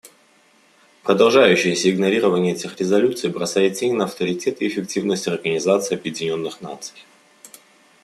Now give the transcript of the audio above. Продолжающееся игнорирование этих резолюций бросает тень на авторитет и эффективность Организации Объединенных Наций.